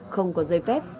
không có dây phép